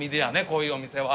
こういうお店は。